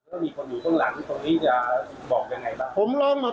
แล้วมีคนอยู่เบื้องหลังตรงนี้จะบอกยังไงบ้าง